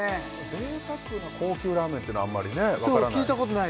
贅沢な高級ラーメンっていうのはあんまりね分からない